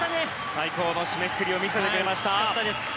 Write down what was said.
最高の締めくくりを見せてくれました。